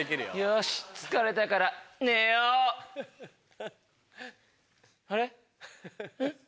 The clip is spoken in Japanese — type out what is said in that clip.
よし疲れたから寝よう。